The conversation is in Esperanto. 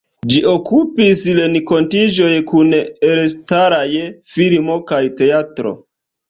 Ĝi okupis renkontiĝoj kun elstaraj filmo kaj teatro.